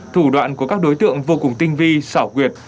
thủ đoạn của các đối tượng vô cùng tinh vi xảo quyệt